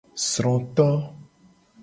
Sroto.